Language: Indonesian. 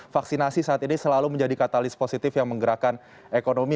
vaksinasi saat ini selalu menjadi katalis positif yang menggerakkan ekonomi